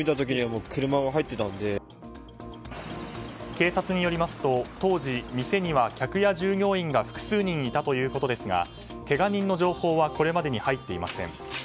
警察によりますと当時、店には客や従業員が複数人いたということですがけが人の情報はこれまでに入っていません。